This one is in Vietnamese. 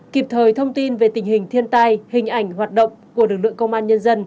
kịp thời thông tin về tình hình thiên tai hình ảnh hoạt động của lực lượng công an nhân dân